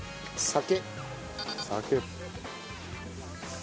酒。